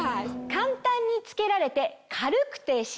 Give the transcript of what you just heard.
簡単に着けられて軽くて自然。